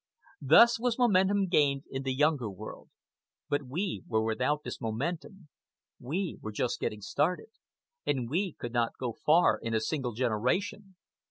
Thus was momentum gained in the Younger World. But we were without this momentum. We were just getting started, and we could not go far in a single generation.